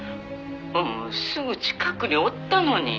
「すぐ近くにおったのに」